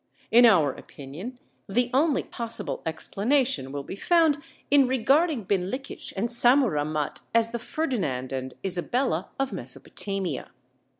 In our opinion the only possible explanation will be found in regarding Binlikhish and Sammuramat as the Ferdinand and Isabella of Mesopotamia.